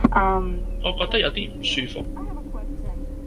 我覺得有啲唔舒服